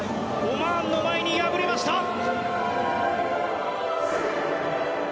オマーンの前に敗れました！